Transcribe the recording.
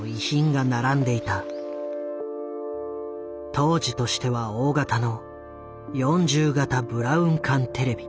当時としては大型の４０型ブラウン管テレビ。